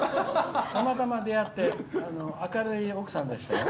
たまたま出会って明るい奥さんでしたよ。